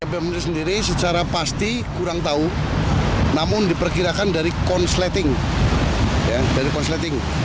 bem sendiri secara pasti kurang tahu namun diperkirakan dari korsleting